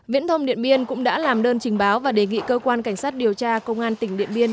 viễn thông điện biên cũng đã làm đơn trình báo và đề nghị cơ quan cảnh sát điều tra công an tỉnh điện biên